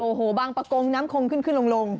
โอ้โหบางประกงน้ำคงขึ้นขึ้นลง